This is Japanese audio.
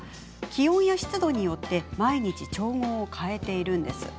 気温や湿度によって毎日、調合を変えているんです。